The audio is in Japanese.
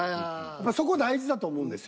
やっぱそこ大事だと思うんですよ。